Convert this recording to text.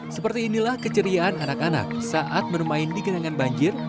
seperti inilah keceriaan anak anak saat bermain di genangan banjir